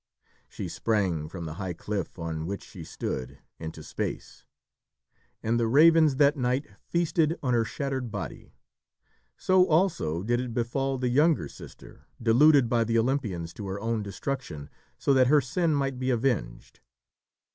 she sprang from the high cliff on which she stood, into space. And the ravens that night feasted on her shattered body. So also did it befall the younger sister, deluded by the Olympians to her own destruction, so that her sin might be avenged.